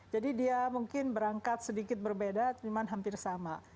jadi dia mungkin berangkat sedikit berbeda cuman hampir sama